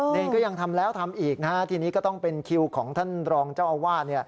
เนรก็ยังทำแล้วทำอีกนะฮะทีนี้ก็ต้องเป็นคิวของท่านรองเจ้าอาวาส